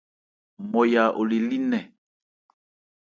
Nmɔya ole lí nnɛn.